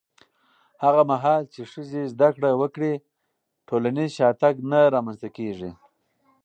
هغه مهال چې ښځې زده کړه وکړي، ټولنیز شاتګ نه رامنځته کېږي.